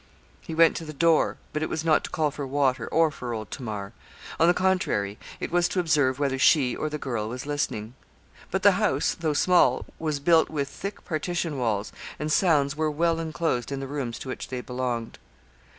He went to the door, but it was not to call for water, or for old Tamar. On the contrary, it was to observe whether she or the girl was listening. But the house, though small, was built with thick partition walls, and sounds were well enclosed in the rooms to which they belonged.